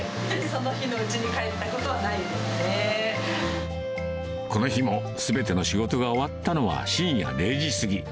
その日のうちに帰ったことはこの日もすべての仕事が終わったのは深夜０時過ぎ。